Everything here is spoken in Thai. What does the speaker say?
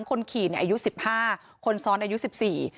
คนขี่เนี่ยอายุสิบห้าคนซ้อนอายุสิบสี่